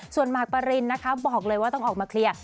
ส่วนมากปรินนะคะบอกเลยว่าต้องออกมาเคลียร์